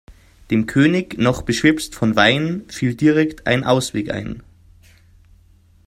Dem König, noch beschwipst vom Wein, fiel direkt ein Ausweg ein.